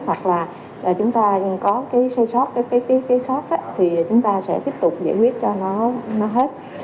hoặc là chúng ta có cái xây sót cái tiết kế sót thì chúng ta sẽ tiếp tục giải quyết cho nó hết